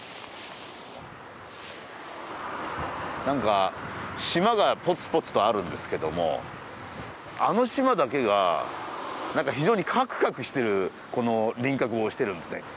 なんか、島がポツポツとあるんですけども、あの島だけが、なんか非常にカクカクしてる輪郭をしてるんです。